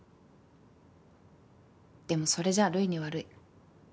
でもそれじゃあルイに悪い。